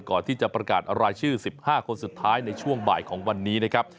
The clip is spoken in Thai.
ก่อนที่จะประกาศรายชื่อ๑๕คนสุดท้ายในช่วงบ่ายของวันนี้นะครับ